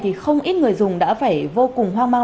thì không ít người dùng đã phải vô cùng hoang mang